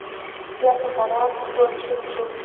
بيا په سړک ور ټيټ شو.